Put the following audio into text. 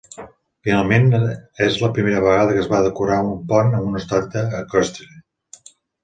Finalment, és la primera vegada que es va decorar un pont amb una estàtua eqüestre.